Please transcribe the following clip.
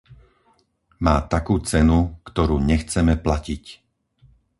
Má takú cenu, ktorú nechceme platiť!